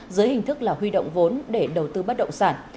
dưới hình thức là huy động vốn để đầu tư bất động sản